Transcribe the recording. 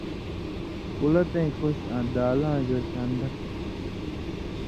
کلَتیں کوٙشیۡ آں دالاں جُوشانده